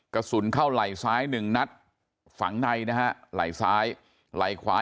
กระสุนเข้าไหล่ซ้ายหนึ่งนัดฝังในนะฮะไหล่ซ้ายไหล่ขวา